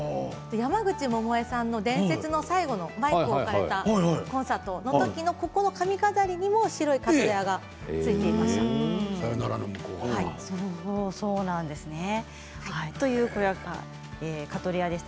山口百恵さんの伝説の最後の、マイクを置かれたコンサートの髪飾りにも白いカトレアがついていました。